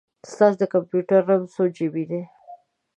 ستاسو د کمپیوټر رم څو جې بې دی؟